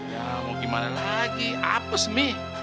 ya mau gimana lagi apes nih